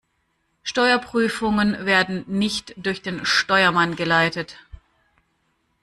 Steuerprüfungen werden nicht durch den Steuermann geleitet.